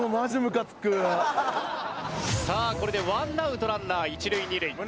さあこれでワンアウトランナー一塁二塁。